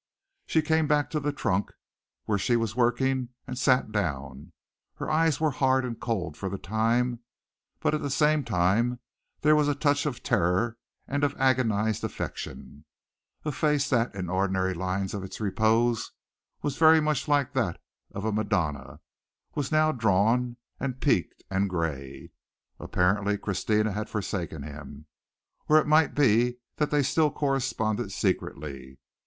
She came back to the trunk where she was working and sat down. Her eyes were hard and cold for the time, but at the same time there was a touch of terror and of agonized affection. A face that, in the ordinary lines of its repose, was very much like that of a madonna, was now drawn and peaked and gray. Apparently Christina had forsaken him, or it might be that they still corresponded secretly.